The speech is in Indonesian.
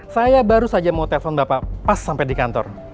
saya baru saja mau telpon bapak pas sampai di kantor